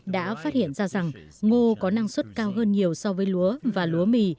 đã phát hiện ra rằng ngô có năng suất cao hơn nhiều so với lúa và lúa mì